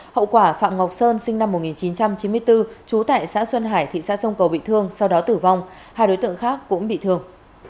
hậu quả phạm ngọc sơn sinh năm một nghìn chín trăm chín mươi bốn trú tại xã xuân hải thị xã sông cầu bị thương sau đó tử vong hai đối tượng khác cũng bị thương